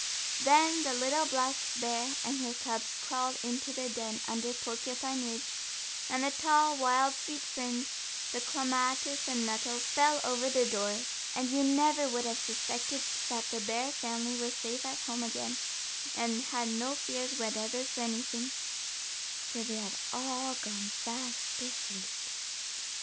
Then the little black bear and her cubs crawled into their den under Porcupine Ridge, and the tall, wild sweet ferns, the clematis and nettles fell over their door, and you never would have suspected that the bear family were safe at home again, and had no fears whatever for anything, for they had all gone fast asleep.